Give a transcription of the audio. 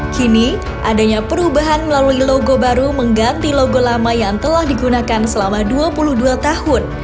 kini adanya perubahan melalui logo baru mengganti logo lama yang telah digunakan selama dua puluh dua tahun